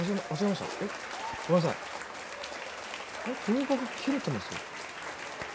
動画が切れてます。